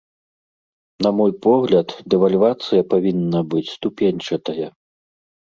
На мой погляд, дэвальвацыя павінна быць ступеньчатая.